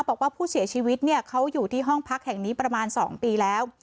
บอกว่าผู้เสียชีวิตเนี่ยเขาอยู่ที่ห้องพักแห่งนี้ประมาณ๒ปีแล้ว